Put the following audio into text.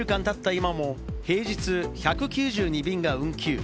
今も、平日１９２便が運休。